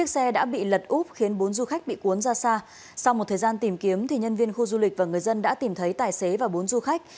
sau một thời gian tìm kiếm thì nhân viên khu du lịch và người dân đã tìm thấy tài xế và bốn du khách